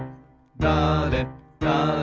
だれだれ